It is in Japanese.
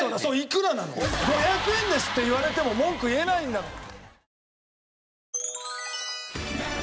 「５００円です」って言われても文句言えないんだから。